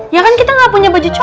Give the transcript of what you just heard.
ya kan kita gak punya baju cowok